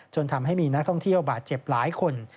ทำให้มีนักท่องเที่ยวบาดเจ็บหลายคน